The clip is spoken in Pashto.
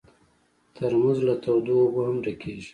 ترموز له تودو اوبو هم ډکېږي.